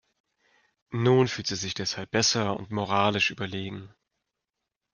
Nun fühlt sie sich deshalb besser und moralisch überlegen.